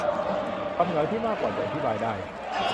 ความเหงาที่มากกว่าจะอธิบายได้